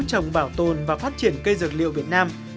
trồng bảo tồn và phát triển cây dược liệu việt nam